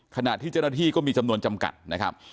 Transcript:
ขณะที่เจ้าหน้าที่ก็มีจำนวนจำกัดนะครับ